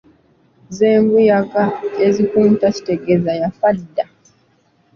Ze mbuyaga ezikunta kitegeeza yafa dda.